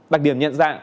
đặc điểm nhận ra